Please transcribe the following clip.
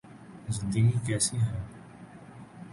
زندگی کیسی ہے